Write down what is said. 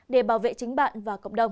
để bảo vệ chính bạn và cộng đồng